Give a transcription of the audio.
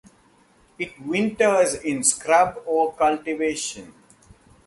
It winters in scrub or cultivation.